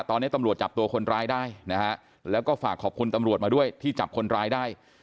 ตอนนี้ตำรวจจับตัวคนร้ายได้นะฮะแล้วก็ฝากขอบคุณตำรวจมาด้วยที่จับคนร้ายได้